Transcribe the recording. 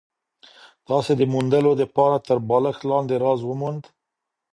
تاسي د موندلو دپاره تر بالښت لاندي راز وموند؟